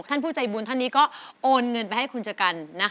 ท่านผู้ใจบุญท่านนี้ก็โอนเงินไปให้คุณชะกัน